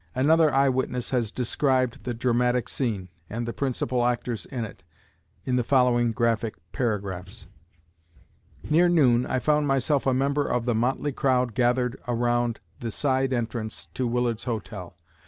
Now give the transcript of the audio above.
Another eye witness has described the dramatic scene, and the principal actors in it, in the following graphic paragraphs: "Near noon I found myself a member of the motley crowd gathered around the side entrance to Willard's Hotel.